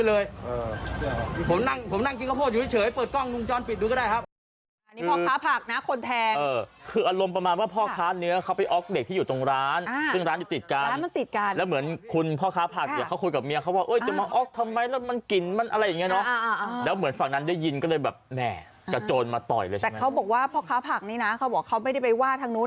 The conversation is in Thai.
อันนี้พ่อค้าผักนะคนแทงคืออารมณ์ประมาณว่าพ่อค้าเนื้อเขาไปออกเด็กที่อยู่ตรงร้านซึ่งร้านที่ติดกันแล้วเหมือนคุณพ่อค้าผักเขาคุยกับเมียเขาว่าเอ้ยจะมาออกทำไมแล้วมันกลิ่นมันอะไรอย่างนี้เนาะแล้วเหมือนฝั่งนั้นได้ยินก็เลยแบบแหม่กระโจนมาต่อยเลยแต่เขาบอกว่าพ่อค้าผักนี้นะเขาบอกเขาไม่ได้ไปว่าทาง